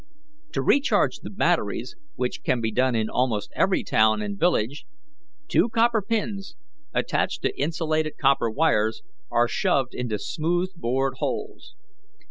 "To recharge the batteries, which can be done in almost every town and village, two copper pins attached to insulated copper wires are shoved into smooth bored holes.